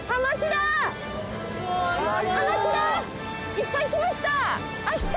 いっぱい来ました。